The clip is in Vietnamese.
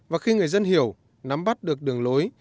và khi người dân hiểu nắm bắt được đường lối